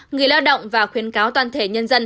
người lao động và khuyến cáo toàn thể nhân dân